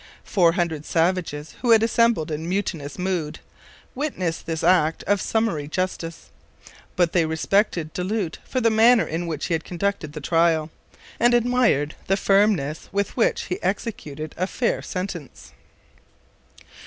Four hundred savages, who had assembled in mutinous mood, witnessed this act of summary justice. But they respected Du Lhut for the manner in which he had conducted the trial, and admired the firmness with which he executed a fair sentence.